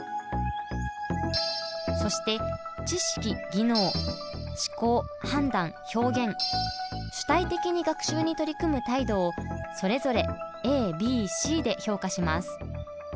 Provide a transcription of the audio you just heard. そして「知識・技能」「思考・判断・表現」「主体的に学習に取り組む態度」をそれぞれＡ・Ｂ・Ｃで評価します。